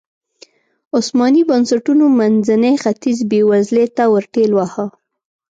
عثماني بنسټونو منځنی ختیځ بېوزلۍ ته ورټېل واهه.